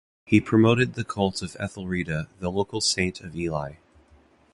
He promoted the cult of Ethelreda, the local saint of Ely.